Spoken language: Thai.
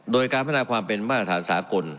โดยการพัฒนาความเป็นมาตรฐานสากล